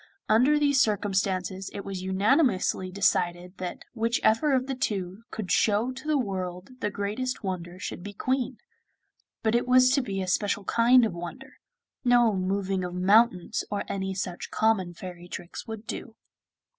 Under these circumstances it was unanimously decided that whichever of the two could show to the world the greatest wonder should be Queen; but it was to be a special kind of wonder, no moving of mountains or any such common fairy tricks would do.